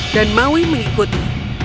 dan maui mengikuti